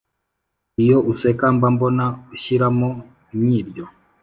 Iyo useka mbambona ushyiramo imyiryo